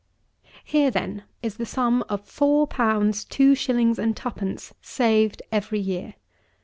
Here, then, is the sum of four pounds two shillings and twopence saved every year.